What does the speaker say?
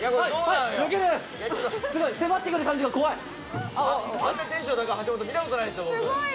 迫ってくる感じが怖い。